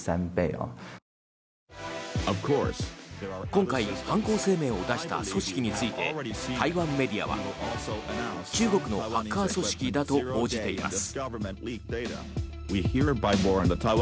今回、犯行声明を出した組織について台湾メディアは中国のハッカー組織だと報じています。